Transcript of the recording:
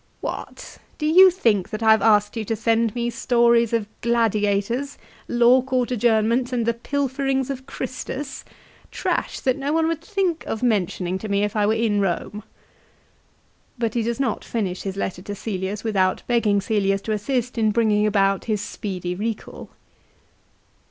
" What ! do you think that I have asked you to send me stories of gladiators, lawcourt adjournments, and the pilferings of Christus, trash that no one would think of mentioning to me if I were in Eome." 2 But he does not finish his letter to Cselius without begging Cselius to assist in bringing about his speedy recal.